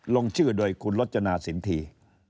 ลงชื่อโดยคุณรจนาสินที